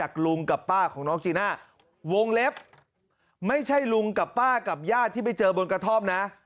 คลิปไม่ใช่ลุงกับป้ากับญาติที่ไปเจอบนกระท่อมนะ